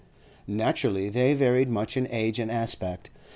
Naturally they varied much in age and aspect.